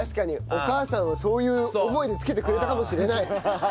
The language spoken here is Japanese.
お母さんはそういう思いでつけてくれたかもしれない。